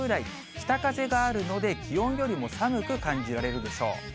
北風があるので、気温よりも寒く感じられるでしょう。